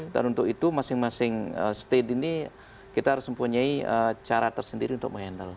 dan untuk itu masing masing state ini kita harus mempunyai cara tersendiri untuk mengendal